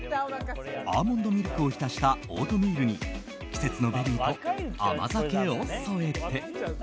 アーモンドミルクを浸したオートミールに季節のベリーと甘酒を添えて。